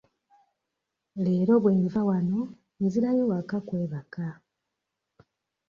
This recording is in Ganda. Leero bwe nva wano nzirayo waka kwebaka.